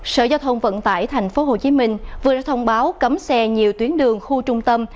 sở giao thông vận tải thành phố hồ chí minh vừa đã thông báo cấm xe nhiều tuyến đường khu trung tâm